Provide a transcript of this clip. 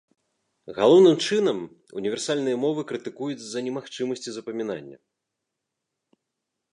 Галоўным чынам, універсальныя мовы крытыкуюць з-за немагчымасці запамінання.